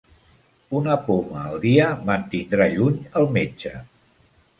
Una poma al dia mantindrà lluny el metge.